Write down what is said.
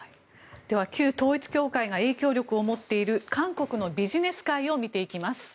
では旧統一教会が影響力を持っている韓国のビジネス界を見ていきます。